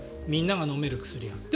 みんなが飲める薬が。